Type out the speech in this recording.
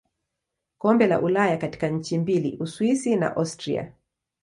Kombe la Ulaya katika nchi mbili Uswisi na Austria.